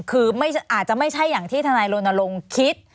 คืออาจจะไม่ใช่อย่างที่ทนายรณรงค์คิด